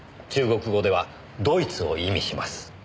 中国語ではドイツを意味します。